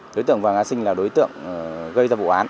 đối tượng vàng a sinh là đối tượng gây ra vụ án